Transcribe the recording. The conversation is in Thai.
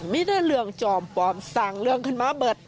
มีแต่เรื่องจอมปลอมสั่งเรื่องขึ้นมาเบิด